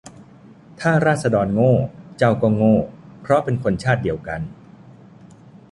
ถ้าราษฎรโง่ เจ้าก็โง่ เพราะเป็นคนชาติเดียวกัน